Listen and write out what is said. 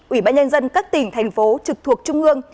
ủy ban nhân dân các tỉnh thành phố trực thuộc trung ương